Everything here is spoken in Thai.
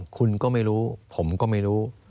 คุณก็ไม่รู้ผมก็ไม่รู้